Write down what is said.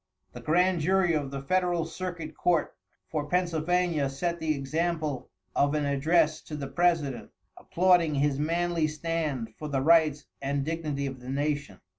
The grand jury of the federal circuit court for Pennsylvania set the example of an address to the president, applauding his manly stand for the rights and dignity of the nation.